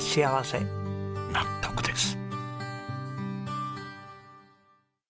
納得です。